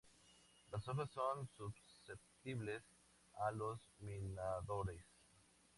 Las hojas son susceptibles a los minadores.